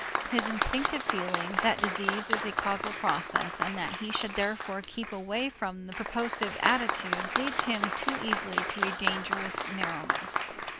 His instinctive feeling that disease is a causal process, and that he should therefore keep away from the purposive attitude, leads him too easily to a dangerous narrowness.